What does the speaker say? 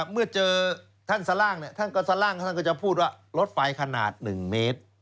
เมื่อเจอท่านสร้างท่านก็จะพูดว่ารถไฟขนาด๑เมตร